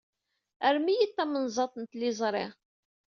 Rrem-iyi-d tamenzaḍt n tliẓri.